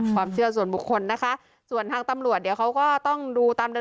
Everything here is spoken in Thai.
ความเชื่อส่วนบุคคลนะคะส่วนทางตำรวจเดี๋ยวเขาก็ต้องดูตามเดิน